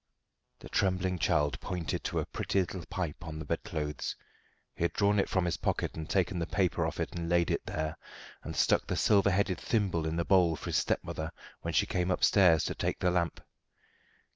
The trembling child pointed to a pretty little pipe on the bedclothes. He had drawn it from his pocket and taken the paper off it, and laid it there, and stuck the silver headed thimble in the bowl for his stepmother when she came upstairs to take the lamp.